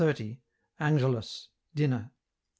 Angelus, Dinner.